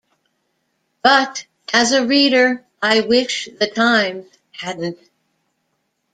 But as a reader, I wish "The Times" hadn't.